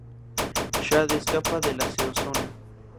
Shade escapa a la Zero-Zona y cae en el Área de la Locura.